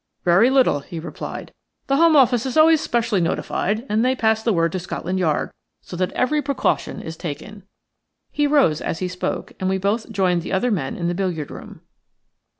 "Very little," he replied. "The Home Office is always specially notified, and they pass the word to Scotland Yard, so that every precaution is taken." He rose as he spoke, and we both joined the other men in the billiard room.